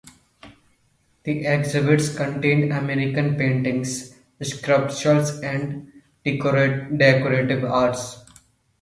The exhibit contains American paintings, sculptures, and decorative arts.